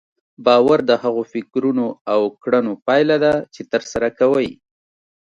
باور د هغو فکرونو او کړنو پايله ده چې ترسره کوئ.